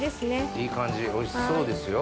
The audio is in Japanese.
いい感じおいしそうですよ。